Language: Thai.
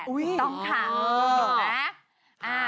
ต้องค่ะ